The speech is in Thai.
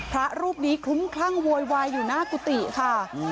พระรูปนี้คลุ้มคลั่งโวยวายอยู่หน้ากุฏิค่ะ